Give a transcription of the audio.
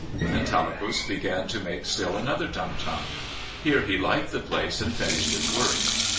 Then Tallapus began to make still another turn turn. Here he liked the place and finished his work.